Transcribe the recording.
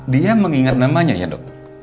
dia mengingat namanya ya dok